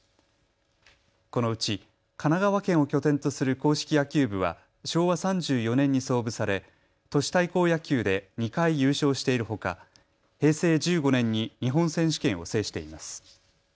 このうち神奈川県を拠点とする硬式野球部は昭和３４年に創部され、都市対抗野球で２回優勝しているほか平成１５年に日本選手権を制しています。